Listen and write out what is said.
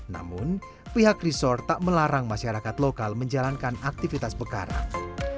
namun pihak resort tak melarang masyarakat lokal menjalankan aktivitas bekarang